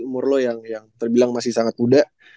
umur lu yang terbilang masih sangat muda